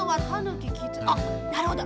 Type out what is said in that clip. あっなるほど。